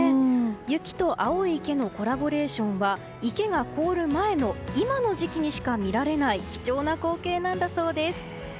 雪と青い池のコラボレーションは池が凍る前の今の時期にしか見られない貴重な光景なんだそうです。